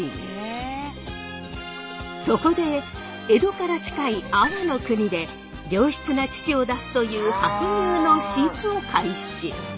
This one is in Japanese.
そこで江戸から近い安房国で良質な乳を出すという白牛の飼育を開始。